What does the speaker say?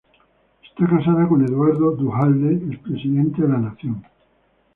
Está casada con Eduardo Duhalde, expresidente de la Nación.